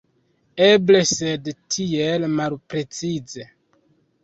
Eble, sed tiel malprecize.